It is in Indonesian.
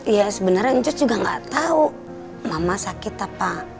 ya sebenarnya incus juga gak tahu mama sakit apa